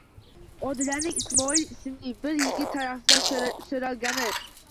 Odilaning Ismoil ismli bir yigit tarafidan so'ralgani